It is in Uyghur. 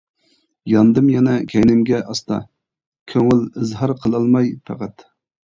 ياندىم يەنە كەينىمگە ئاستا، كۆڭۈل ئىزھار قىلالماي پەقەت.